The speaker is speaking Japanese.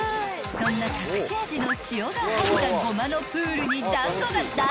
［そんな隠し味の塩が入った胡麻のプールに団子がダイブ！］